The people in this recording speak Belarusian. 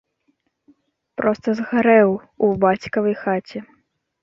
Проста згарэў у бацькавай хаце.